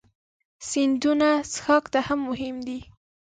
سیندونه څښاک ته مهم دي.